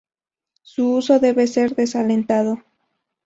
Su uso debe ser desalentado.